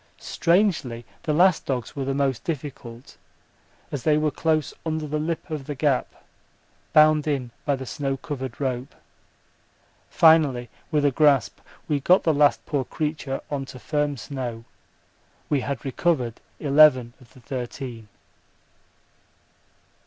Strangely the last dogs were the most difficult, as they were close under the lip of the gap, bound in by the snow covered rope. Finally, with a gasp we got the last poor creature on to firm snow. We had recovered eleven of the thirteen.